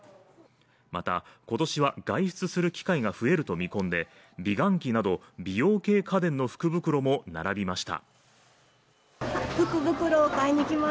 また、今年は外出する機会が増えると見込んで、美顔器など美容系家電の福袋も並びました。